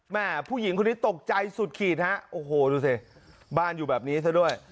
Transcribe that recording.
ผู้หญิงคนนี้ตกใจสุดขีดฮะโอ้โหดูสิบ้านอยู่แบบนี้ซะด้วย